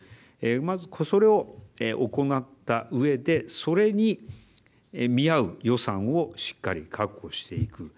まず、それを行った上でそれに見合う予算をしっかり確保していく。